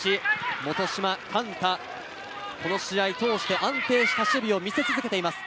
元島幹太、この試合通して安定した守備を見せ続けています。